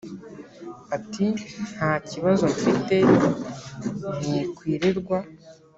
ati”ntakibazo mfite mwikwirirwa